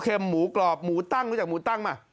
หมูเค็มหมูกรอบหมูตั้งรู้จักหมูตั้งไหม